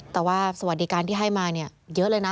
แต่ว่าสวัสดิการที่ให้มาเนี่ยเยอะเลยนะ